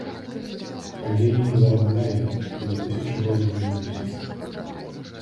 Але і зарабляе каля тысячы долараў на месяц.